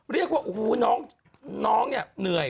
เรียกว่าโอ้โหน้องเนี่ยเหนื่อย